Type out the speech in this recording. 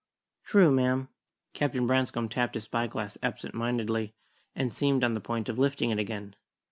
"True, ma'am," Captain Branscome tapped his spyglass absent mindedly, and seemed on the point of lifting it again.